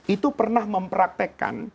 itu pernah mempraktekkan